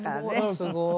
すごーい。